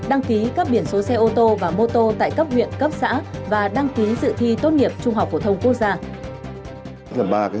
đăng ký cấp biển số xe ô tô và mô tô tại cấp huyện cấp xã và đăng ký dự thi tốt nghiệp trung học phổ thông quốc gia